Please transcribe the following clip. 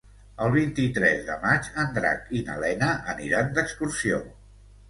El vint-i-tres de maig en Drac i na Lena aniran d'excursió.